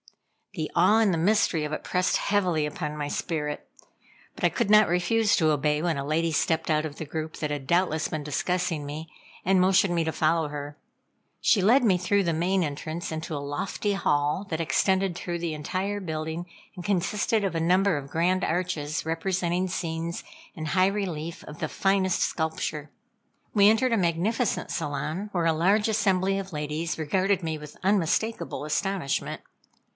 The awe and the mystery of it pressed heavily upon my spirit, but I could not refuse to obey when a lady stepped out of the group, that had doubtless been discussing me, and motioned me to follow her. She led me through the main entrance into a lofty hall that extended through the entire building, and consisted of a number of grand arches representing scenes in high relief of the finest sculpture. We entered a magnificent salon, where a large assembly of ladies regarded me with unmistakable astonishment.